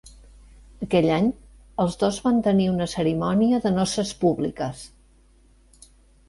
Aquell any, els dos van tenir una cerimònia de noces públiques.